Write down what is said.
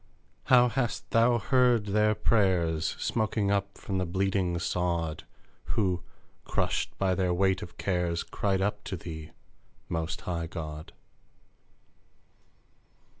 How hast Thou heard their prayers Smoking up from the bleeding sod, Who, crushed by their weight of cares, Cried up to thee, Most High God